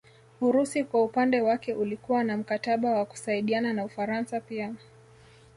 Urusi kwa upande wake ulikuwa na mkataba wa kusaidiana na Ufaransa pia